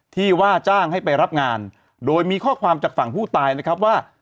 ว่าจ้างให้ไปรับงานโดยมีข้อความจากฝั่งผู้ตายนะครับว่า